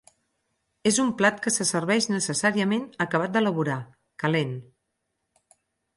És un plat que se serveix necessàriament acabat d'elaborar, calent.